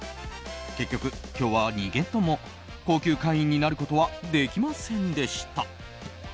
結局、今日は２軒とも高級会員になることはできませんでした。